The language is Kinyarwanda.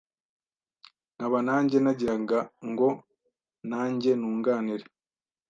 nkaba nanjye nagiraga ngo nanjye nunganire